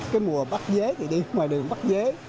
cái mùa bắt dế thì đi ngoài đường bắt dế